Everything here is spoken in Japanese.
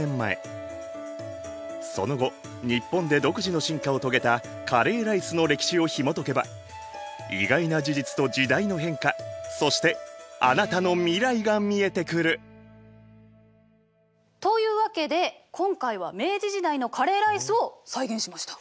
その後日本で独自の進化を遂げたカレーライスの歴史をひもとけば意外な事実と時代の変化そしてあなたの未来が見えてくる！というわけで今回は明治時代のカレーライスを再現しました！